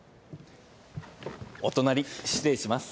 お隣失礼します。